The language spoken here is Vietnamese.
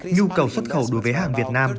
nhu cầu xuất khẩu đối với hàng việt nam